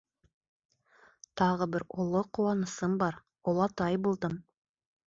Тағы бер оло ҡыуанысым бар — олатай булдым.